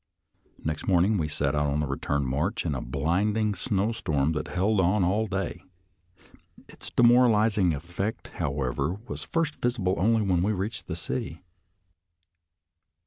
Next morning we set out on the return march in a blinding snowstorm that held on all day. Its demoralizing effect, however, was first visible only when we reached the city.